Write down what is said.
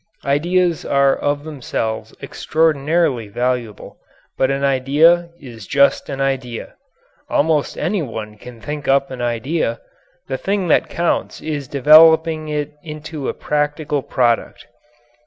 Ideas are of themselves extraordinarily valuable, but an idea is just an idea. Almost any one can think up an idea. The thing that counts is developing it into a practical product.